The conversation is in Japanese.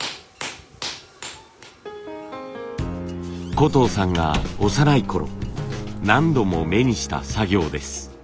小藤さんが幼いころ何度も目にした作業です。